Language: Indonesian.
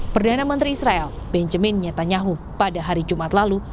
perdana menteri israel benjemin nyatanyahu pada hari jumat lalu